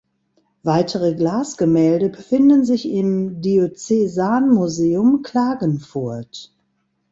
Weitere Glasgemälde befinden sich im Diözesanmuseum Klagenfurt.